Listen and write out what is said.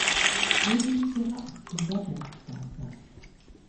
Lebensjahr aktiver Bergsteiger.